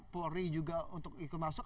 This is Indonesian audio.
polri juga untuk ikut masuk